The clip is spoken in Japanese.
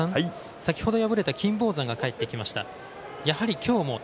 先ほど敗れた金峰山が帰ってきました。